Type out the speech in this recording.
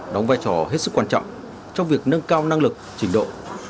đóng vai trò hết sức quan trọng trong việc nâng cao năng lực trình độ